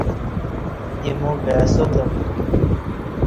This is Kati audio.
ایمو کا ئی ساتہ مو